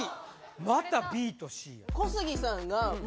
またＢとＣいや